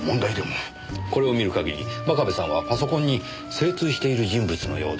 これを見る限り真壁さんはパソコンに精通している人物のようです。